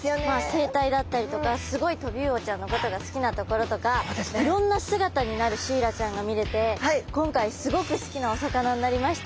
生態だったりとかすごいトビウオちゃんのことが好きなところとかいろんな姿になるシイラちゃんが見れて今回すごく好きなお魚になりました。